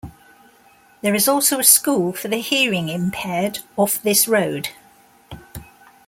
There is also a school for the hearing impaired off this road.